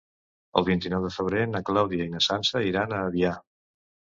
El vint-i-nou de febrer na Clàudia i na Sança iran a Avià.